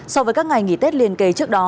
so với các ngày nghỉ tết liên kề trước đó